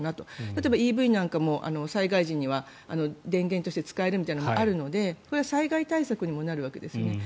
例えばＥＶなんかも災害時には電源として使えるみたいなのがあるので災害対策にもなるわけですよね。